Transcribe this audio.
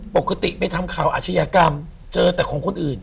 ปกติไปทำข่าวอาชญากรรมเจอแต่ของคนอื่น